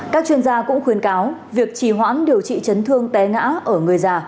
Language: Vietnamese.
các chuyên gia cũng khuyến cáo việc trì hoãn điều trị chấn thương té ngã ở người già